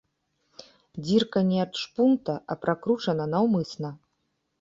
Дзірка не ад шпунта, а пракручана наўмысна.